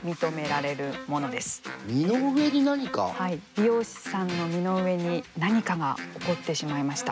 美容師さんの身の上に何かが起こってしまいました。